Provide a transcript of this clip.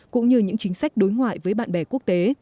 cũng như những chính sách đối ngoại với bạn bè quốc tế